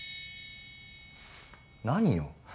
何よ？